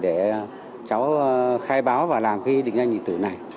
để cháu khai báo và làm ghi định danh điện tử này